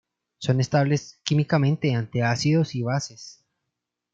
Son estables químicamente ante ácidos y bases.